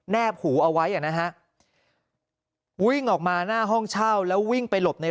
หูเอาไว้อ่ะนะฮะวิ่งออกมาหน้าห้องเช่าแล้ววิ่งไปหลบใน